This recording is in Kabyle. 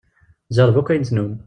Tjerreb akk ayen tennum.